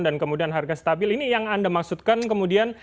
dan kemudian harga stabil ini yang anda maksudkan kemudian